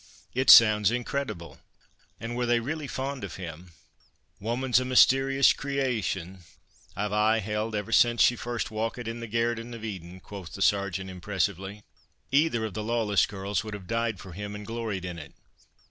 It sounds incredible. And were they really fond of him?" "Woman's a mysterious crea a tion, I've aye held, since she first walkit in the gairden o' Eden," quoth the Sergeant impressively. "Either of the Lawless girls would have died for him—and gloried in it.